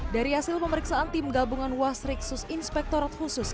dari hasil pemeriksaan tim gabungan wasriksus inspektorat khusus